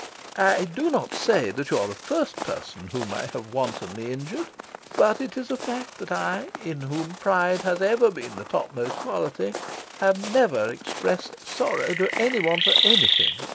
I do not say that you are the first person whom I have wantonly injured. But it is a fact that I, in whom pride has ever been the topmost quality, have never expressed sorrow to any one for anything.